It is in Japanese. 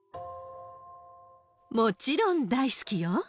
もちろん大好きよ。